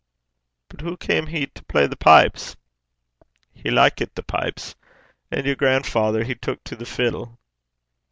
'But hoo cam he to play the pipes?' 'He likit the pipes. And yer grandfather, he tuik to the fiddle.'